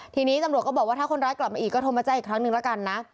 ทีนี้ตำรวจก็บอกว่าถ้าคนร้ายกลับมาอีกก็โทรมาแจ้งอีกครั้งหนึ่งแล้วกันนะ